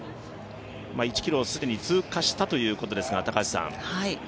１ｋｍをすでに通過したということですが。